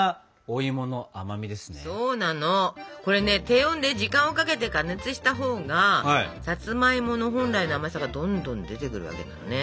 低温で時間をかけて加熱したほうがさつまいもの本来の甘さがどんどん出てくるわけなのね。